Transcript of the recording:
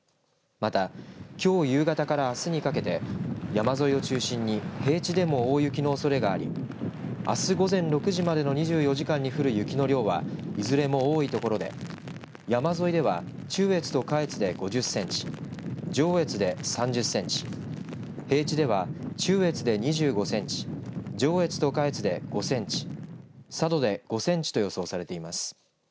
またきょう夕方からあすにかけて山沿いを中心に平地でも大雪のおそれがありあす午前６時までの２４時間に降る雪の量はいずれも多い所で山沿いでは中越と下越で５０センチ上越で３０センチ平地では、中越で２５センチ上越と下越で５センチ佐渡で５センチと予想されています。